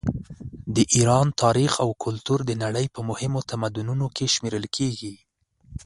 د ایران تاریخ او کلتور د نړۍ په مهمو تمدنونو کې شمېرل کیږي.